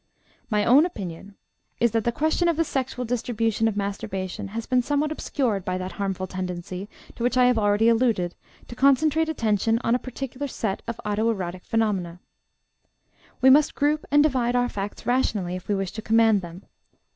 My own opinion is that the question of the sexual distribution of masturbation has been somewhat obscured by that harmful tendency, to which I have already alluded, to concentrate attention on a particular set of auto erotic phenomena. We must group and divide our facts rationally if we wish to command them.